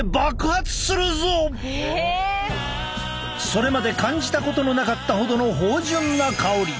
それまで感じたことのなかったほどの芳じゅんな香り。